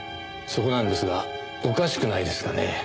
そこなんですがおかしくないですかね？